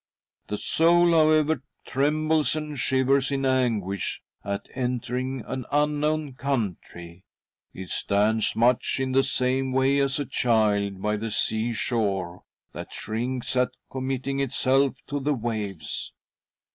The soul, however, trembles and shivers in. anguish at entering an unknown country. It stands much in the same way as a child by the sea shore, that shrinks at committing itself to the waves.